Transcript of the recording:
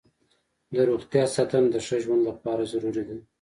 د روغتیا ساتنه د ښه ژوند لپاره ضروري ده.